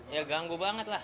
ya ganggu banget lah